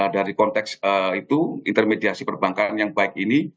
dari konteks itu intermediasi perbankan yang baik ini